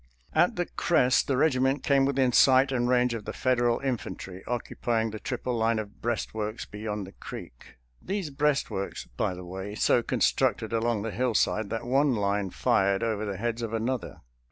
At the crest the regiment came within sight and range of the Federal infantry occupying the triple line of breastworks beyond the creek — these breastworks, by the way, so constructed along the hillside that one line fired over the heads of another.